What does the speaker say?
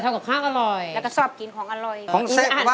ทำกับข้าวอร่อยแล้วก็กลับกินของอร่อยของเซฟ